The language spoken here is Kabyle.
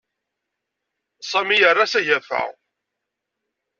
Sami yerra s agafa.